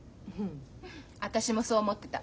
私もそう思ってた。